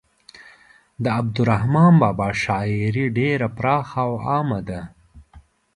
د عبدالرحمان بابا شاعري ډیره پراخه او عامه ده.